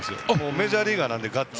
メジャーリーガーなので。